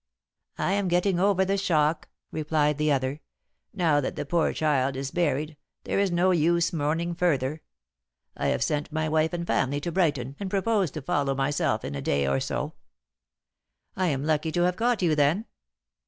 "I am getting over the shock," replied the other, "now that the poor child is buried; there is no use mourning further. I have sent my wife and family to Brighton and propose to follow myself in a day or so." "I am lucky to have caught you, then?"